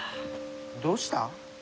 どうした？